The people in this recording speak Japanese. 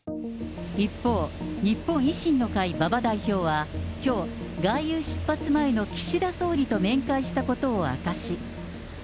一方、日本維新の会、馬場代表はきょう、外遊出発前の岸田総理と面会したことを明かし。